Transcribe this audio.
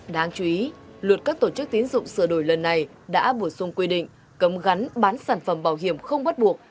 đáng chú ý luật các tổ chức tín dụng sửa đổi lần này đã bổ sung quy định cấm gắn bán sản phẩm bảo hiểm không bắt buộc